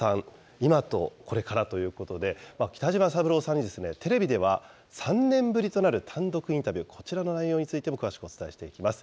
今とこれからということで、北島三郎さんにテレビでは３年ぶりとなる単独インタビュー、こちらの内容についても詳しくお伝えしていきます。